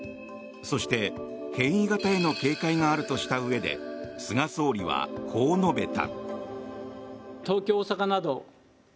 そして、変異型への警戒があるとしたうえで菅総理はこう述べた。